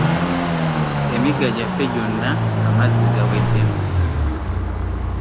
Emigga gyaffe gyonna amazzi gaweddemu